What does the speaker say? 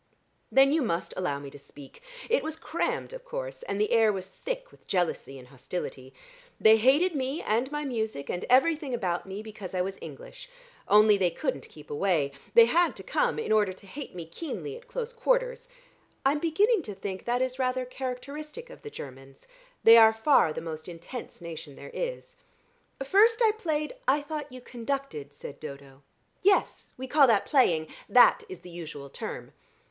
"Then you must allow me to speak. It was crammed, of course, and the air was thick with jealousy and hostility. They hated me and my music, and everything about me, because I was English. Only, they couldn't keep away. They had to come in order to hate me keenly at close quarters. I'm beginning to think that is rather characteristic of the Germans; they are far the most intense nation there is. First I played " "I thought you conducted," said Dodo. "Yes; we call that playing. That is the usual term.